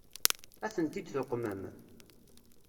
Ad tent-id-tuqmem?